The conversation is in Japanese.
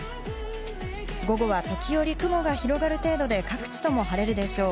午後は時折雲が広がる程度で各地とも晴れるでしょう。